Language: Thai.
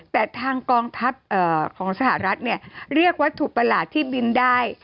แต่ทางกองทัพเอ่อของสหรัฐรัฐเนี้ยเรียกวัตถุประหลาดที่บินได้